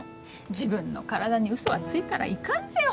自分の体にウソはついたらいかんぜよ